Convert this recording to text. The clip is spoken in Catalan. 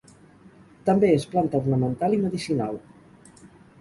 També és planta ornamental i medicinal.